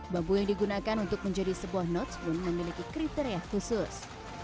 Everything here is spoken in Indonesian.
bambu yang digunakan untuk menjadi sebuah notes pun memiliki kriteria khusus